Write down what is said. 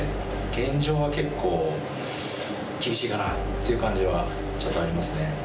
現状は結構厳しいかなっていう感じはありますね。